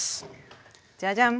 じゃじゃん！